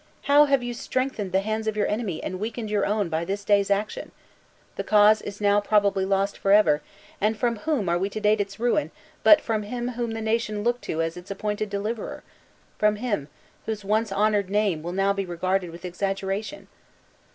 How have you strengthened the hands of your enemy, and weakened your own by this day's action! The cause is now probably lost forever; and from whom are we to date its ruin but from him to whom the nation looked as to its appointed deliverer? From him, whose once honored name will now be regarded with exaggeration?"